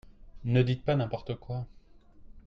Ne dites pas n’importe quoi